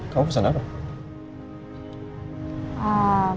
kamu pesan apa